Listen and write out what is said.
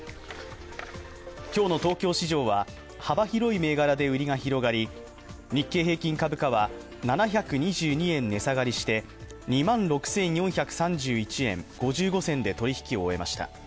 今日の東京市場は幅広い銘柄で売りが広がり日経平均株価は７２２円値下がりして２万６４３１円５５銭で取引を終えました。